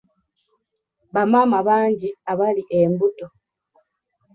Bamaama bangi abali embuto.